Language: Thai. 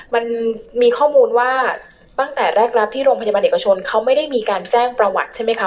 มันมีข้อมูลว่าตั้งแต่แรกรับที่โรงพยาบาลเอกชนเขาไม่ได้มีการแจ้งประวัติใช่ไหมคะ